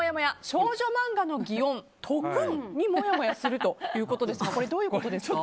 少女漫画の擬音、トクンにもやもやするということですがこれ、どういうことですか？